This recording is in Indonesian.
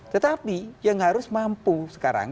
tetapi yang harus mampu sekarang